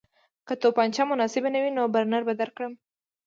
که توپانچه مناسبه نه وي نو برنر به درکړم